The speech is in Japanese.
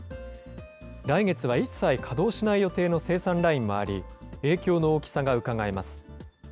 来月は一切稼働しない予定の生産ラインもあり、影響の大きさがうかがえます。